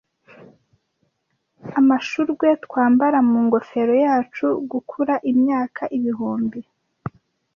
Amashurwe twambara mu ngofero yacu gukura imyaka ibihumbi.